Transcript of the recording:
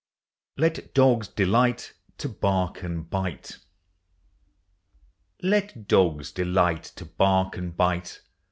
LET DOGS DELIGHT TO BAKK AND BITE. Let dogs delight to bark and bite.